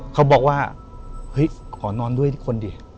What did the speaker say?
เขาบอกว่าเฮ้ยขอนอนด้วยทุกคนดิ